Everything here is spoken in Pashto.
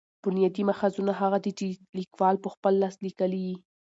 بنیادي ماخذونه هغه دي، چي لیکوال په خپل لاس لیکلي يي.